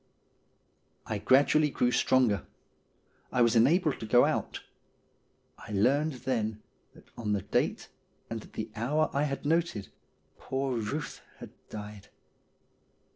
I gradually grew stronger. I was enabled to go out. I learned then that on the date and at the hour I had noted poor Buth had died.